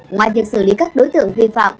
ngoài việc xử lý các đối tượng vi phạm